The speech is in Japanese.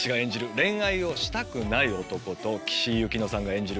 恋愛をしたくない男と岸井ゆきのさんが演じる